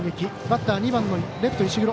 バッター、２番のレフト、石黒。